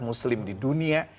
muslim di dunia